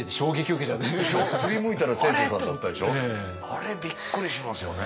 あれびっくりしますよね。